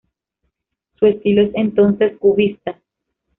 Su estilo es entonces cubista.